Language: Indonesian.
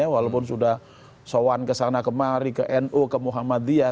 walaupun sudah sowan kesana kemari ke nu ke muhammadiyah